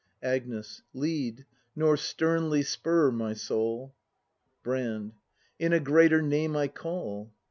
Agnes. Lead, nor sternly spur, my soul! Brand. In a greater name I call.